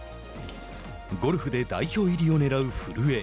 ゴルフで代表入りをねらう古江。